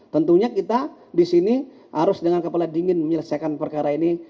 tentunya kita di sini harus dengan kepala dingin menyelesaikan perkara ini